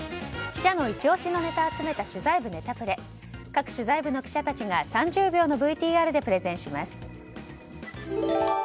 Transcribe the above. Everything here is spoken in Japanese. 各取材部の記者たちが３０秒のＶＴＲでプレゼンします。